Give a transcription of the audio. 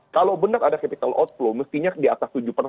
kalau benar ada capital outflow mestinya di atas tujuh persen